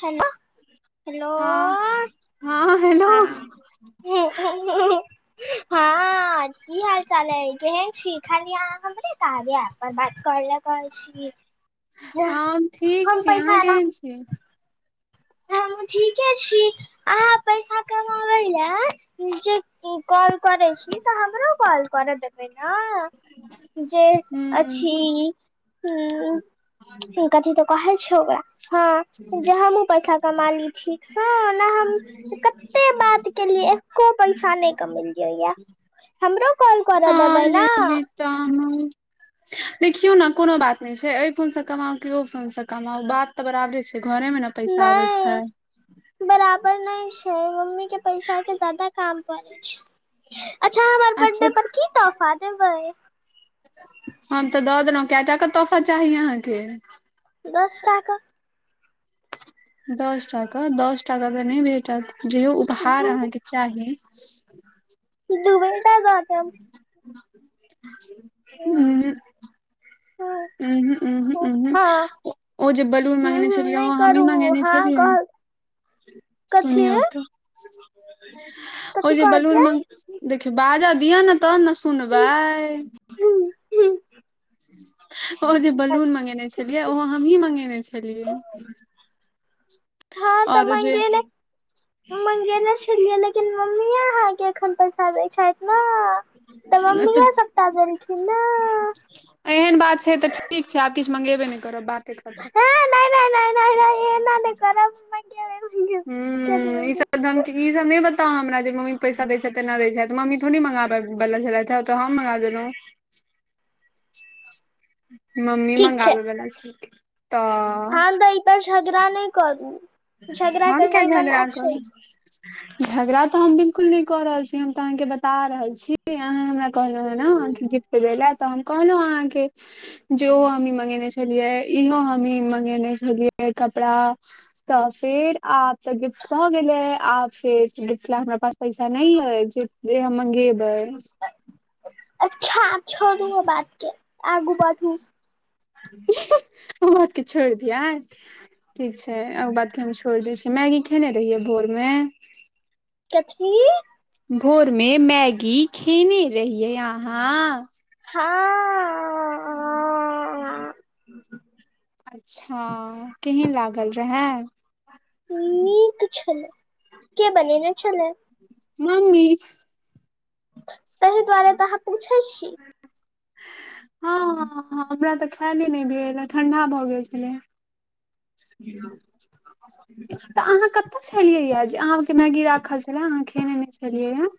Hello hello ह ह‌ hello हँ हँ [unintelligible] कऽ हाल चाल अइ खाली अहाँ हमरे कार्या ऐप मे बात कर ले कहे छी। यह हम ठीक कम छी अहाँ पैसा ह न [unintelligible] हमुं ठीके छी। अहां पैसा कमाबै लै जे काॅल करै छी त हमरो कॉल कर दे देबै ना जे हूँ अथि उम्म कथी त कहै छै ओकरा हँ जे [unintelligible] [unintelligible] कमा ली ठीक स नै हम कत्ते बात केलियै, एको पैसा नहि त मिल जाइयै, हमरो कॉल करऽ हँ देबै न। [unintelligible] देखियौ न कोनो बात नहि छै एहि फोनस कमाउ कि ओ फोनस कमाउ बात त बराबरे छै घरे मे न पैसा अबै छै। नहि बराबर नहि छै मम्मी के पैसा के ज्यादा काम पड़ै छै, अच्छ अच्छा की तोफा देबै? हम तऽ दऽ देलहुँ कैटा क तोफा चाही अहाँके। दस टा क दस टाक दस टाक त नहि भेटत, जेहो दू उपहार अहाँके चाही दूएटा द देब। ऊंऽऽऽ‌ हँ उहूं उहूं हूँ उहूं। ओ जे बलून मंगेने हूँ छलियै नहि ओ हमही करू मंगेने हँ छलियै। कह कथी सुनियौ त ओ कथी जे बलून कहलियै मंग देखियौ बाज दिय न तहन न सुनबै। हूम्म ओ जे बलून मंगेने छलियै ओहो हमहीं मंगेने छलियै़। हँ तऽ मंगेने मंगेने छे छैलियै लेकिन मम्मीये अहाँके एखन पैसा दै छैथ ना। तऽ तऽ मम्मीेये सबटा देलखिन ना। एहन बात छै तऽ ठीक छै आब किछ मंगेबे नहि करब बाते खतम। नै नै हे एना नहि करब [unintelligible] मंगेबै किया नहि हूं ई मंगेबै सभ [unintelligible] ई सब नहि बताउ हमरा जे मम्मी पैसा देैत छथि एना दै छथि मम्मी थोड़ी मँंगाबै बला छेलैथ है। तऽ हम मंगा देेलहुं। मम्मी मंगाबै बला छलखिन तऽ। हॅं तऽ एहि पर झगड़ा नहि करू, झगड़ा हम किया करनाइ झगड़ा मना छै। करब झगड़ा तऽ हम बिल्कुल नहि कऽ रहल छी हम तऽ अहाँके बता रहल छी, अहाँ हमरा कहलौं हैं न कि गिफ्ट दैलै तऽ हम कहलौं अहाँके जे ओ हमही मंगेने छलियै इहो हमही मंगेने छलियै कपड़ा तऽ फेर आब तऽ गिफ्ट भऽ गेलै आब फेर गिफ्ट लै हमरा पास पैसा नहि अइछ। जे हम मंगेबै। अच्छा आब छोडु ओ बातके आगू बढू। ही ही ओ बात के छोड़ि दियै ठीक छै ओ बातके हम छोड़ि दै छियै, मैगी खेने रहियै भोरमे। कथीऽऽ? भोरमे मैगी खेने रहियै अहाँ। हां। अच्छा केहन लागल रहै। नीक छलए के बनेने छलए। मम्मी। ताहि दुआरे तऽ अहाँ पूछै छी। हँ- हँ- हँ हमरा तऽ खायले नहि भेल ह ठण्डा भऽ गेल छलै है। त अहां कतय छलियै है जे। अहाँके मैगी राखल छलै, अहाँ खेने नय छलियै हँ।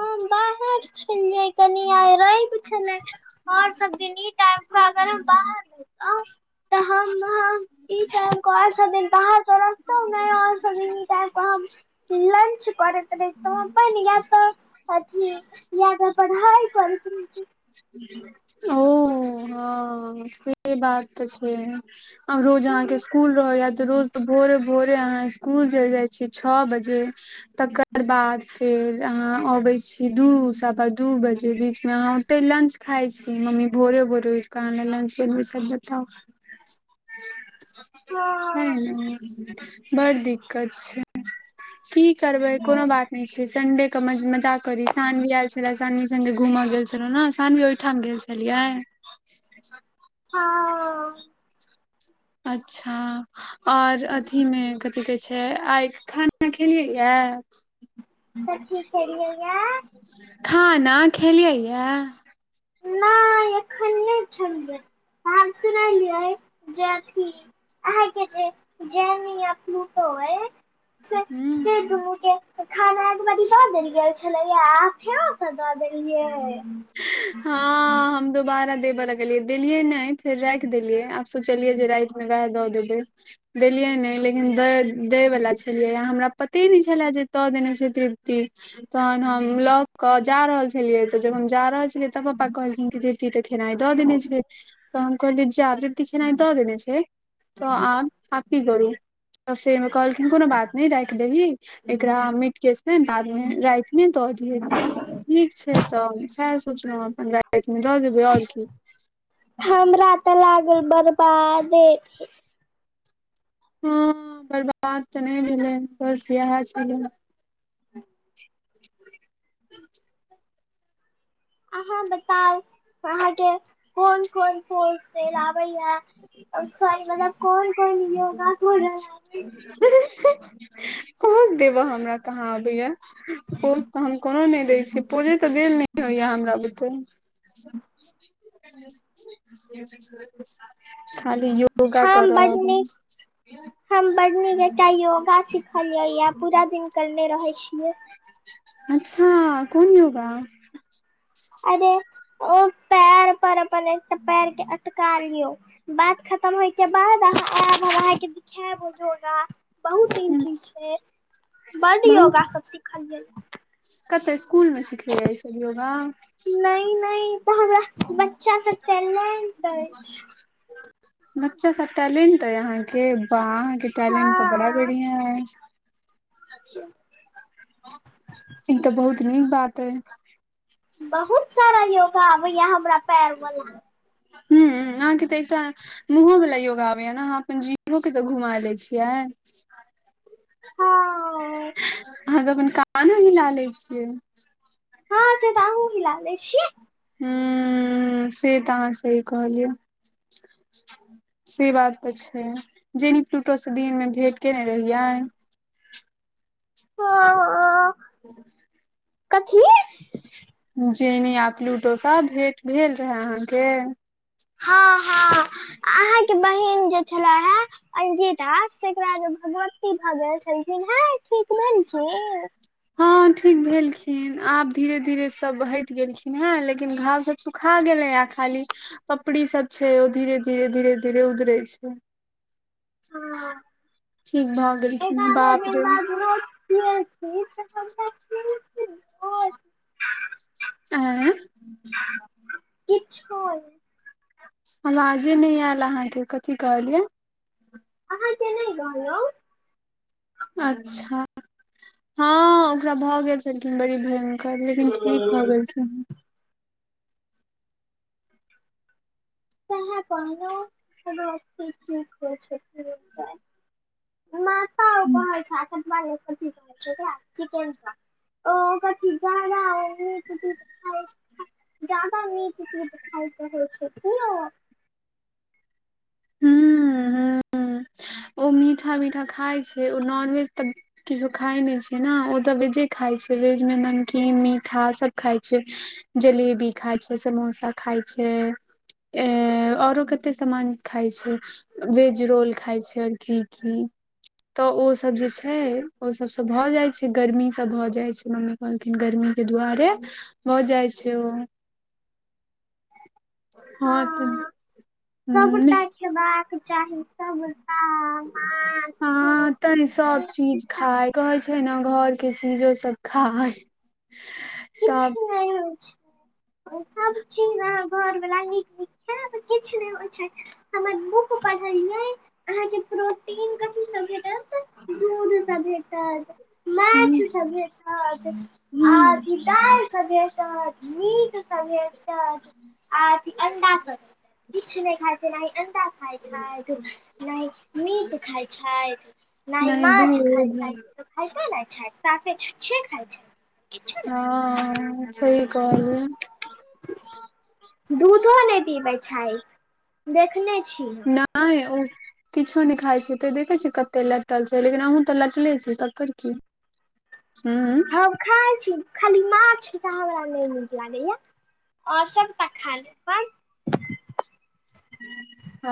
हम बाहर छलियै कनि आइ रैब छलै और सब दिन टाइ के अगर हम बाहर रहितौं तऽ हम [inaudible] ई टाइम कऽ और सब दिन बाहर तऽ रहतौं नै, और सब दिन ई टाईम के हम लंच करैत रहितौं अपन या तऽ अथी या तऽ पढ़ाइ करैत रैहतौं। [inaudible] ओ। हं से बात तऽ छै, आब रोज अहाँके स्कुल रहैया तऽ रोज तऽ भोरे भोरे अहाँ इसकुल चलि जाइ छियै छ बजे। तकर बाद फेर अहाँ अबै छी, दू सवा दू बजें बीचमे अहाँ ओते लंच खाइ छी मम्मी भोरे- भोरे उठ कऽ आहां लेल लंच बनबए छैथ बताउ। छै हँ ना। बड़ दिक्कत छै, की करबै कोनो बात नै छै, संडेके मजाक करि सानवी आयल छलै, सानवी सङ्गे घूमऽ गेल छलहुँ ने, सानवी ओहिठाम गेल छलियै। [inaudible] हँ अच्छा! और अथी मे कथिकहै छै, आइ खाना खेलियै यए। कथी खेलीयहए। खाना खेलियइए। ह [inaudible] अखन नइ खलीयै, बात सुनलियै जे अथी अहाँके जे जैनियों पुलूटो अए। सेू हूँ से दुनू के खाना। खेनाय दऽ देल गेल छलियै हं, अहां फेरो स दऽ दलियै। हँ हम दोबारा देबऽ ले गेलियै देलियए ने। फेर राखि देलियै आब सोचलियै जे रातिमे वएह दऽ देबै। देलियै ने लेकिन दै वला छलियै ह, हमरा पते नै छलए जे दऽ देने छथिन। तहन हम लऽ कऽ जा रहल छी। छलयै तऽ जब हम जा रहल छलै तऽ प्पा कहल कि तऽ खेनाइ दऽ देने छै, तऽ हम कहलिय जा तऽ खेनाइ दऽ देने छै तऽ आ की करू, तऽ फेर कहलखिन कोनो बात नहि राखि देही एकरा मिट केस में बाद में रातिमे दऽ दिये, ठीक छै तऽ सएह सोचलहु अपन। रैत मे दऽ देबै और की। हमरा तऽ लागल बरबादे हे हँ बर्बाद तऽ नहि भेलैय, बस इहे छलै। आहाँ बताउ, आहाॅ के कोन- कोन पोज दैयल आबैये। और सॉरी मतलब कोन- कोन योगा कोन रहय। हँअ- हँअ, पोज देबय हमरा कहाँ अबैया। पोज तऽ हम कोनो नहि दैय छियै, पोजे तऽ देल नए नहि होय हमरा बुते। [unintelligible] खाली योगा हम करअ बड अबै नीक हम बड नीक एकटा योगा सिखलियै या, पूरा दिन करने रहैय छीयै। अच्छा कोन योगा। अरे ओ पैर पर बनै पैरके अटका लियौ। बात खतम होय के बाद अहाँ आयब, हम अहाँके सिखैब वो जोगा। बहुत तीन चीज छैय, बड योगा सब सिखलियै। कतय स्कुल मे सिखबैया इ सब योगा। नहि- नहि ई तऽ हमरा बच्चा स टैलेंट अछि। बच्चा स टैलेंट अहि अहाँके, वाह अहाँके टैलेंट तऽ बड़ा हँ बढ़िया अछि। [unintelligible] ई तऽ बहुत नीक बात अहि। बहुत सारा योगा आबैये हमरा पैर वाला। हुँउ अहाँके त एकटा मुँहो वला योगा आबैये न, अहाँ अप्पन जीवो के तऽ घुमा लय छियै। हँ अहाँके अप्पन कानो हिला लय छियै। हँ से बाहुँ हिला लैय छियै। हूँउ से तऽ अहाँ सही कहलियै। से बात तऽ छैय, जेनी प्लूटो से दिनमे भेंट केने रहियै। हँअ- हँअ। [unintelligible] ह। चेनी आ प्लूटो सब भेंट भेल रहय अहाँ के? हँ- हँ अहाँके बहिन जे छला है अंजीता तेकरा जे भगवती भऽ गेल छेलखिन हैं ठीक भेलखिन। हँ ठीक भेलखिन आब धीरे धीरे सभ हटि गेलखिन हँ, लेकिन घाव सभ सुखा गेलै ये खाली पपड़ी सब छैय ओ धीरे- धीरे- धीरे- धीरे ओदरै छैय। हँ ठीक भऽ गेलखिन हे बाप रे [unintelligible] हमरा [inaudible] अए छअइ अवाजे नहि आयल अहाँ के कथी कहलियै। अहाँ के नहि कहलहुँ। अच्छा, हँ ओकरा भऽ गेल छलखिन बड़ी भयं कर लेकिन ठीक भऽ गेलखिन। कहाँ कहलउ, आहाॅ [unintelligible] माता ओ हूँ कहै छैय, अकर बाद की कहै छैय ओकरा चिकेन पॉक्स। ओ ओकर की जादा ओ उँच दिखाय छैय। ज्यादा मीठ तीठ खाइत रहै छैथ कि ओ हूँउ- हूँउ ओ मीठा- मीठा खाय छैय, ओ नॉनवेज तऽ किछो खाय नहि छैय ने ओ तऽ वेजे खाय छैय वेज मे नमकीन मीठा सब खाय छैय। जलेबी खाय छैय समोसा खाय छैय। ऐं औरो कते सामान खाय छैय वेज रोल खाय छैय। [unintelligible] तऽ ओसभ जे छैय ओ सभसँ भऽ जाय छैय गर्मीसँ भऽ जाय छैय मम्मी कहलखिन गर्मी के दुआरे भऽ जाइ छैय ओ। हँ तऽ नहि सभटा खेबाक चाही सभटा। हँ तनी सब चीज सब खाय कहै छैयने घर के चीजो सब खाय सब किछु नहि है छैय। सब चीज ने घरवाल नीक नीक खाएब किछु नहि होइ छैय। हमर बुक पढ़लिय अहाँके प्रोटीन कथी सबके दूध सब भेंटत, हुं माछ सब भेंटत, आर हुं दायल सब भेंटत, मीट सब भें टत, आर अंडासब इ नहि खाइ छैय नहि अ खाइत छथि नहि मीट खाइत छथि नहि माछ खाइत छथि। खाइते ने छैय साफे छुछे खाइ छैय। हँ सही कहलये। दूधो नहि पीबै छैय देखने छी। नहाय ये ओ। किछो नहि खाइत छैय तऽ देखै छियै कते लेटल छैय लेकिन अहूँ तऽ लेटले छी तकर की। हू। हम खाइ छी खाली माछ तऽ हमरा नहि नीक लागैया। आओर सबटा खा लेबन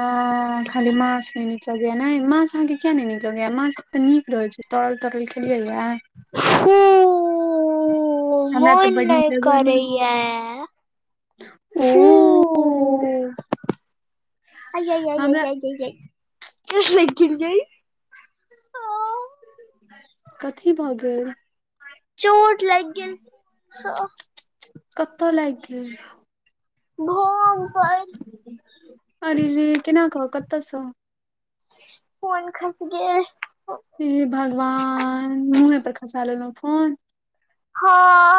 अं खाली माछ नहि निक लगै ये नहि माछ अहाँक किया नहि निक लगै ये माछ तऽ नीक रहैत छैय तरल-तरल खेलियैए? हूं ऊं ऊं ऊं, हमरा तऽ मोन बड नीक नहि लगैया माछ करैये। ओ फू ऊ ऊ ऊ। [unintelligible] हमरा चोट लागि गेल ये। कथी भऽ गेल? चोट लायग गेल स कतऽ लाइग गेल? भोम पर। अरे रे, केना क, कतऽसँ? फोन खस गेल। हे भगवान, मुँहे पर खसा लेलों फोन। हँ।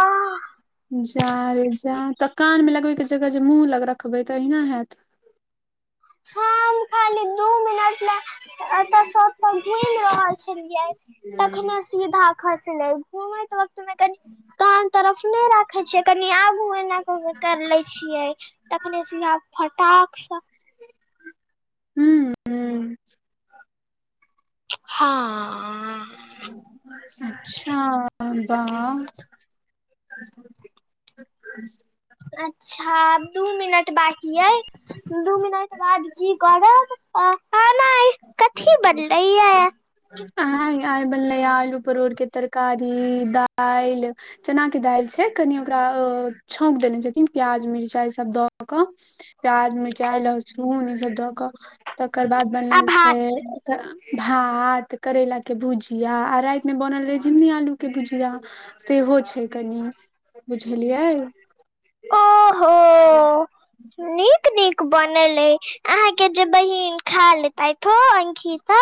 जा रे जा, तऽ कान मे लगबे के जगह जे मुँह लग रखबै तऽ अहिना हैत। हम खाली दू मिनट लऽ एतय सब ओतऽ घुमि रहल छलियै, तखने सीधा खसले। घूमैऽ वक्तमे कनि कान तरसले से राखे छियै, कनि आगू एना क के कर ले छियै तखने सिया फटाकसँ हूंउंऽ- हांऽ- अच्छा बाह [inaudible] अच्छा दू मिनट बाकी ऐऽ, दू मिनट बाद की करब, आ खाना आय कथी बजलैयैऽ? आय? आय बनलैयैऽ आलू परोड़ के तरकारी, दाइल चनाक के दाइल छै। कनि ओकरा अ छौँंक देने छथिन प्याज, मिर्चाइ सभ दऽ कऽ प्याज, मिरचाई, लहसुन ईसभ दऽ कऽ। तकर बाद बनल आभात छै भात, करैला के भुजिया आ राइत में बनल रहय झिंगनी आलू के भुजिया सेहो छै कनि बुझलियै? ओहो नीक नीक बनल अय अहाँ के जे बहिन खा लेतैथ ओ खीता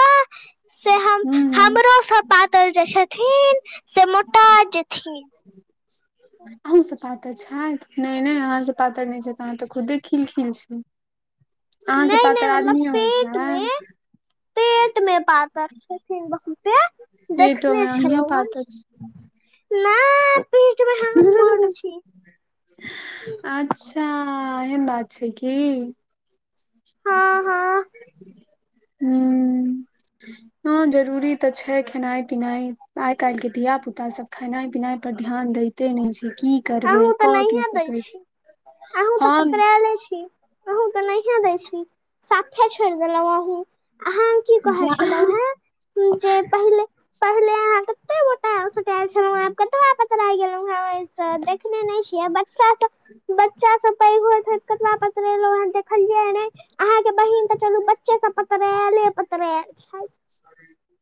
से हम हूँ -हमरोसँ जे पातर छथिन से मोटा जेथि। अहूँ सब पातर छैथ नय नय अहाँ स पातर नय छैथ, अहाँ तऽ खुद्दे खिलखिल छी। [inaudible] से नय नय पातर मतलब आदमियो होइ पेट मे, छै पेट मे पातर छथिन बहुत। सेऽ पेटो देखने मे अहिये छलहुँहें। पातर छी। पेट में हम्मर छी। अच्छाऽ एहेन बात छै की? हँ हँ हूंऽ। हं जरूरी त छै खेनाई पिनाय। आइ काइल के धिया -पुता सब खनाई पिनाय पर ध्यान दय्- ते नय छै की? करबै अहुं तऽ कऽ की नहिएं दै सकै छी। अहूँ तऽ हम पतरैले छी। अहूँ तऽ नहियें दै छी। साफे छोइड़ देलहुँ अहूँ। अहां की कहे जा छलहुहें की जे पहिले- पहिले अहां कत्ते मोटैल सो- मौटैल छलहुहें आब कतबा पतरा गेलौहें ओय स देखने नय छियै बट्ट बच्चा सब, बच्चा सब पैघ होइत होइत कतबा पतरेलहुहें देखलियैयै नै अहाँके बहिन तऽ चलू बच्चे सब पतरेले पतरैल छैत। [inaudible]